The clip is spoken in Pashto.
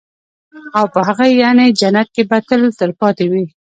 او په هغه يعني جنت كي به تل تلپاتي وي